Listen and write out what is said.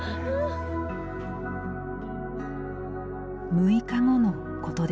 ６日後のことでした。